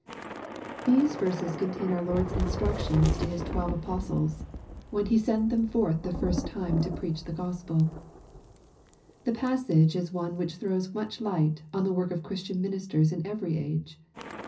TflESB verses contain our Lord's instructions to His l~ k LUKE, CHAP. IX. 291 fcwelve ai)os(les, when He sent them forth the first time to preach the GospeL The passage is one which throws much Kght on the work of Christian ministers in every age.